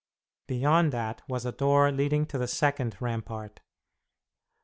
Beyond that was a door leading to the second rampart.